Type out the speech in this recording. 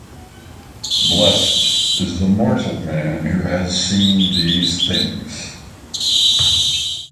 Blessed is the mortal man who has seen these things.